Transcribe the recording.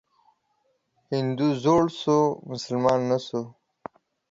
هندو زوړ سو ، مسلمان نه سو.